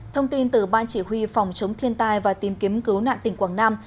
thông tin từ ban chỉ huy phòng chống thiên tai và tìm kiếm cứu nạn tỉnh quảng nam